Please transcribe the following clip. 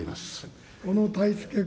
小野泰輔君。